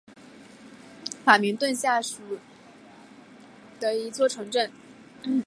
法明顿下属的一座城镇。